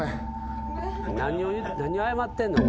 何を謝ってんの？